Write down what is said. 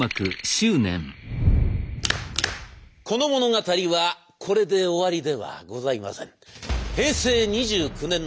この物語はこれで終わりではございません。